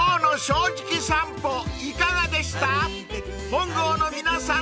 ［本郷の皆さん